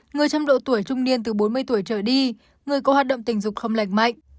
người trong độ tuổi trung niên từ bốn mươi tuổi trở đi người có hoạt động tình dục không lành mạnh